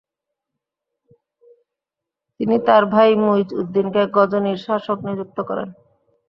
তিনি তার ভাই মুইজউদ্দিনকে গজনির শাসক নিযুক্ত করেন।